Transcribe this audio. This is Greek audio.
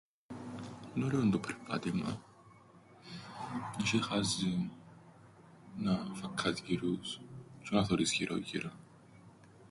Εν' ωραίον το περπάτημαν. Έσ̆ει χάζιν να... φακκάς γυρούς τζ̆αι να θωρείς γυρόν-γυρόν.